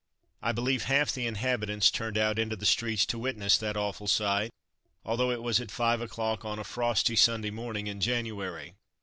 I believe half the inhabitants turned out into the streets to witness that awful sight, although it was at five o'clock on a frosty Sunday morning in January.